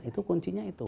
itu kuncinya itu